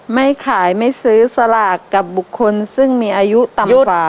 ไม่ขายไม่ซื้อสลากกับบุคคลซึ่งมีอายุต่ำกว่า